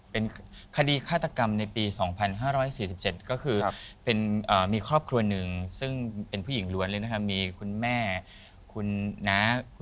เป็นคดีฆาตกรรมในปี๒๕๔๗ก็คือเป็นมีครอบครัวหนึ่งซึ่งเป็นผู้หญิงรวรเลยนะครับ